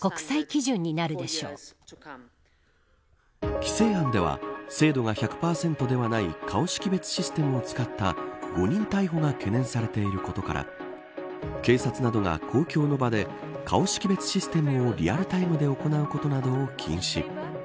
規制案では精度は１００％ではない顔識別システムを使った誤認逮捕が懸念されていることから警察などが公共の場で顔識別システムをリアルタイムで行うことなどを禁止。